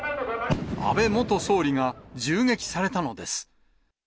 安倍元総理が銃撃されたのです。